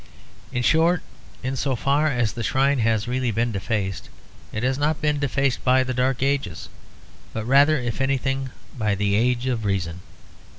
In short, in so far as the shrine has really been defaced it has not been defaced by the Dark Ages, but rather if anything by the Age of Reason.